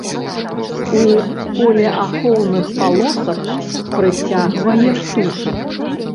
У полеахоўных палосах прыцягвае птушак.